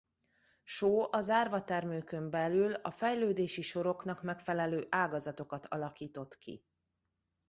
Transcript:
Soó a zárvatermőkön belül a fejlődési soroknak megfelelő ágazatokat alakított ki.